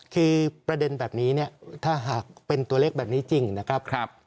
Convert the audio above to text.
คือประเด็นแบบนี้เนี่ยถ้าหากเป็นตัวเล็กแบบนี้จริงนะครับ